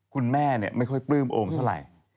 คุณแม่ไม่ค่อยปลื้มโอมเท่าไหร่